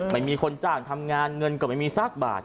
ไม่มีคนจ้างทำงานเงินก็ไม่มีสักบาท